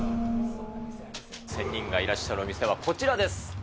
仙人がいらっしゃるお店はこちらです。